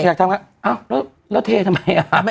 อยากทำงานด้วย